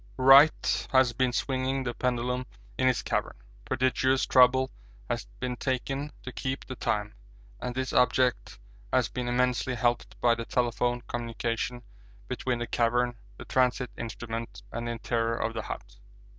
Wright has been swinging the pendulum in his cavern. Prodigious trouble has been taken to keep the time, and this object has been immensely helped by the telephone communication between the cavern, the transit instrument, and the interior of the hut.